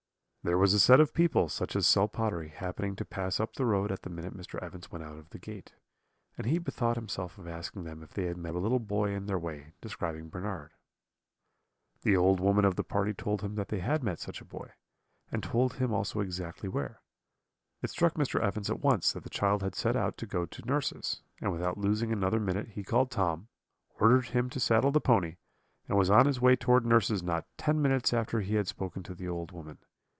"There was a set of people, such as sell pottery, happening to pass up the road at the minute Mr. Evans went out of the gate; and he bethought himself of asking them if they had met a little boy in their way, describing Bernard. "The old woman of the party told him that they had met such a boy, and told him also exactly where. It struck Mr. Evans at once that the child had set out to go to nurse's; and without losing another minute he called Tom, ordered him to saddle the pony, and was on his way towards nurse's not ten minutes after he had spoken to the old woman.